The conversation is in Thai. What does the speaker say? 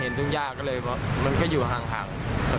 เห็นชุ่มยาก็เลยว่ามันก็อยู่ห่าง